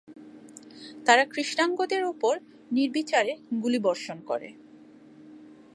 তারা কৃষ্ণাঙ্গদের উপর নির্বিচারে গুলিবর্ষণ করে।